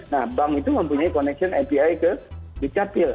nah bank itu mempunyai connection api ke dukcapil